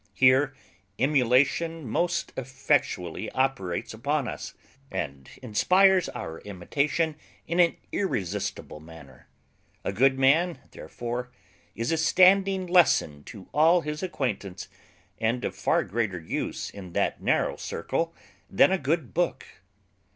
Here emulation most effectually operates upon us, and inspires our imitation in an irresistible manner. A good man therefore is a standing lesson to all his acquaintance, and of far greater use in that narrow circle than a good book.